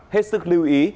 hết sức lưu ý